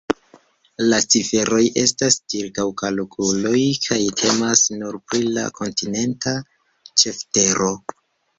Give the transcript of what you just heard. La ciferoj estas ĉirkaŭkalkuloj kaj temas nur pri la kontinenta ĉeftero.